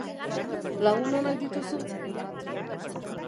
Lagun onak dituzu?